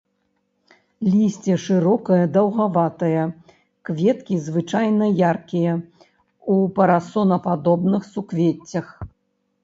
Лісце шырокае даўгаватае, кветкі звычайна яркія, у парасонападобных суквеццях.